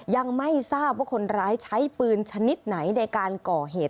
ยังไม่ทราบว่าคนร้ายใช้ปืนชนิดไหนในการก่อเหตุ